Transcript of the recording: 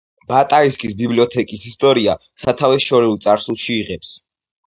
ბატაისკის ბიბლიოთეკის ისტორია სათავეს შორეულ წარსულში იღებს.